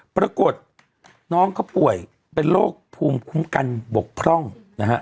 ปรากฏน้องเขาป่วยเป็นโรคภูมิคุ้มกันบกพร่องนะฮะ